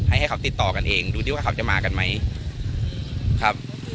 ให้ให้เขาติดต่อกันเองดูดิว่าเขาจะมากันไหมครับ